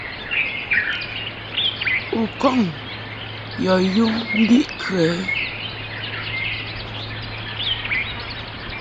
U kɔŋ yɔ yum mbiʼkə?